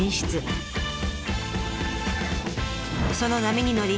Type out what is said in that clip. その波に乗り